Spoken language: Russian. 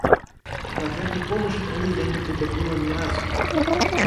К проклятой помощи твоей Я не прибегнула ни разу.